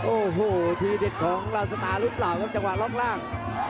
โอ้โหทีเด็ดของลาสตาร์หรือเปล่าครับจังหวะล็อกล่าง